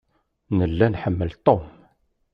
Nella nḥemmel Tom.